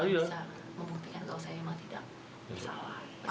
bisa membuktikan kalau saya memang tidak bersalah